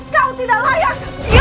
kau tidak layak